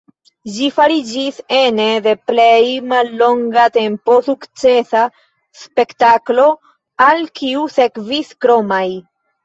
Ĝi fariĝis ene de plej mallonga tempo sukcesa spektaklo, al kiu sekvis kromaj.